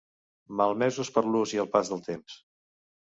Malmesos per l'ús i el pas del temps.